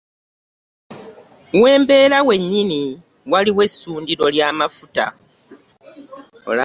We mbeera wennyini waliwo essundiro ly'amafuta.